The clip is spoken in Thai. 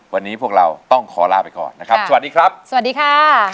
วันนี้พวกเราต้องขอลาไปก่อนนะครับสวัสดีครับสวัสดีค่ะ